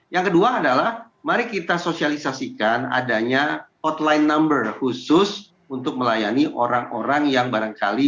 yang kedua adalah mari kita sosialisasikan adanya hotline number khusus untuk melayani orang orang yang barangkali